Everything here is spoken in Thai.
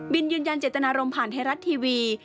ยืนยันเจตนารมณ์ผ่านไทยรัฐทีวี